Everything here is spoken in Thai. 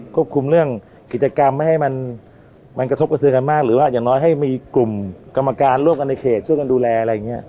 คุมเรื่องกิจกรรมไม่ให้มันกระทบกระเทือนกันมากหรือว่าอย่างน้อยให้มีกลุ่มกรรมการร่วมกันในเขตช่วยกันดูแลอะไรอย่างนี้